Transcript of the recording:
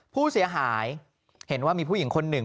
ผู้เสียหายเห็นว่ามีผู้หญิงคนหนึ่ง